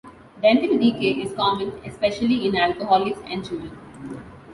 Dental decay is common especially in alcoholics and children.